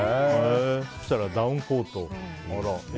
そうしたらダウンコート。